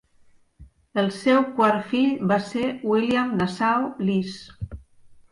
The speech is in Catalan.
El seu quart fill va ser William Nassau Lees.